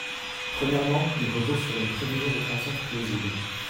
Premièrement, il repose sur une prévision de croissance plausible.